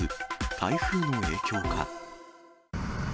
台風の影響か。